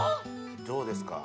どうですか？